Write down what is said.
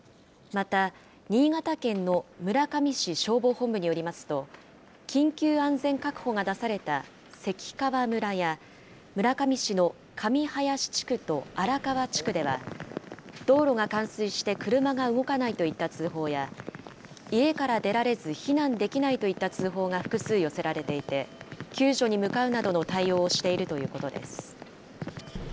また、新潟県の村上市消防本部によりますと緊急安全確保が出された関川村や村上市の神林地区と荒川地区では道路が冠水して車が動かないといった通報や家から出られず避難できないといった通報が複数、寄せられていて救助に向かうなどの対応をしているということです。